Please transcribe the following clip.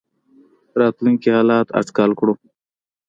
راتلونکي حالات اټکل کړو.